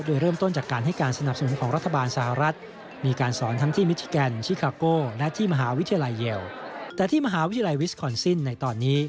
โดยเริ่มต้นจากการให้การสนับสนุนของรัฐบาลสหรัฐ